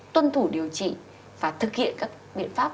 tuân thủ điều trị và thực hiện các biện pháp